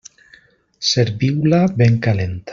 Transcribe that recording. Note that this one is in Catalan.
Serviu-la ben calenta.